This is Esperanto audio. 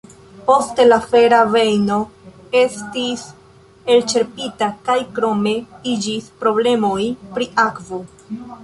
Poste la fera vejno estis elĉerpita kaj krome iĝis problemoj pri akvo.